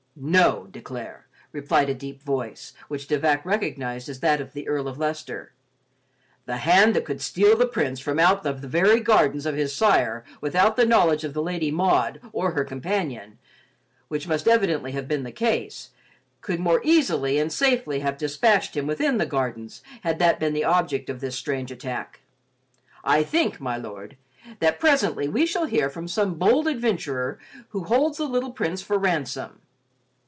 "No, De Clare," replied a deep voice, which De Vac recognized as that of the Earl of Leicester. "The hand that could steal the Prince from out of the very gardens of his sire without the knowledge of Lady Maud or her companion, which must evidently have been the case, could more easily and safely have dispatched him within the gardens had that been the object of this strange attack. I think, My Lord, that presently we shall hear from some bold adventurer who holds the little Prince for ransom.